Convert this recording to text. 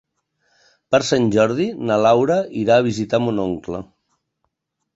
Per Sant Jordi na Laura irà a visitar mon oncle.